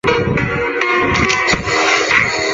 乌鲁是巴西圣保罗州的一个市镇。